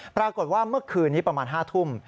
ปรากฏว่าเมื่อคืนนี้ประมาณ๕ทุ่ม